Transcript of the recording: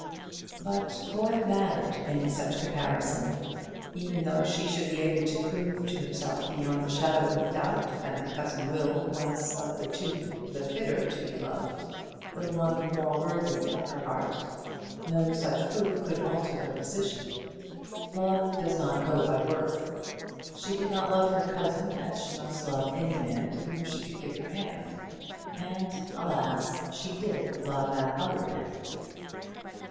But what mattered any such comparison? Even though she should be able to prove to herself beyond the shadow of a doubt that her cousin Will was of the two the fitter to be loved, the one more worthy of her heart, no such proof could alter her position. Love does not go by worth. She did not love her cousin as she must love any man to whom she could give her hand, and, alas! she did love that other man.